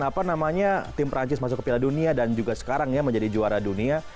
apa namanya tim perancis masuk ke piala dunia dan juga sekarang ya menjadi juara dunia